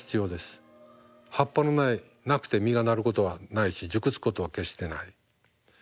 葉っぱのないなくて実がなることはないし熟すことは決してない。